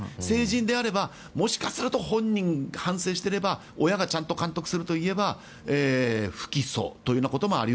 成人であれば、もしかすると本人が反省していれば親がちゃんと監督すれば不起訴と。